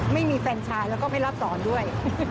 ไม่มีแฟนชายแล้วก็ไม่รับสอนด้วย